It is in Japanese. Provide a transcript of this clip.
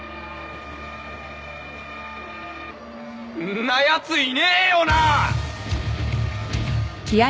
んなやついねえよな！？